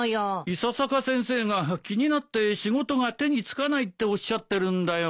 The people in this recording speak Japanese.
伊佐坂先生が気になって仕事が手につかないっておっしゃってるんだよ。